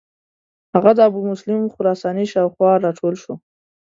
هغه د ابومسلم خراساني شاو خوا را ټول شو.